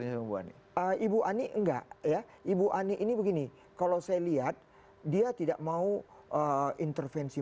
ibu ani enggak ya ibu ani ini begini kalau saya lihat dia tidak mau intervensi